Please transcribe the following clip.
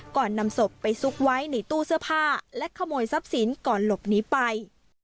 ก่อนนำศพไปซุกไว้ในตู้เสื้อผ้าและขโมยทรัพย์สินก่อนหลบหนีไป